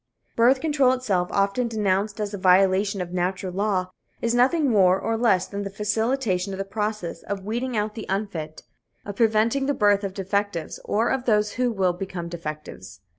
Birth control itself, often denounced as a violation of natural law, is nothing more or less than the facilitation of the process of weeding out the unfit, of preventing the birth of defectives or of those who will become defectives.